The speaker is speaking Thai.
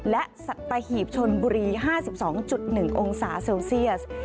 และสัตหีบชนบุรี๕๒๑องศาเซลเซียส